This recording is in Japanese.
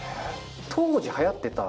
当時流行ってた。